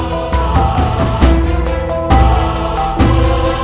kian santang memiliki penyakit